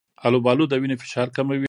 آلوبالو د وینې فشار کموي.